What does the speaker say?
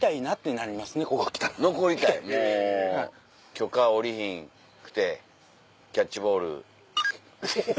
許可下りひんくてキャッチボール。